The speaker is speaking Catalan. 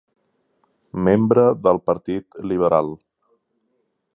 Membre del partit liberal.